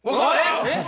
えっ？